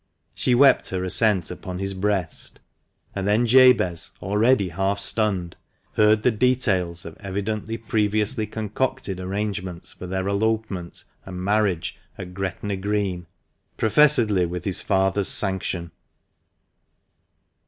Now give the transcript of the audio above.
She wept her assent upon his breast, and then Jabez, already half stunned, heard the details of evidently previously concocted arrangements for their elopement and marriage at Gretna Green, professedly with his father's sanction.